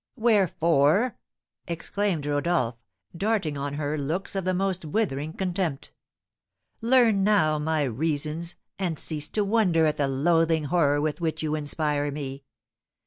"Wherefore?" exclaimed Rodolph, darting on her looks of the most withering contempt. "Learn now my reasons, and cease to wonder at the loathing horror with which you inspire me.